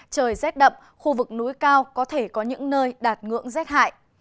trời rét đậm khu vực núi cao có thể có những nơi đạt ngưỡng rét hại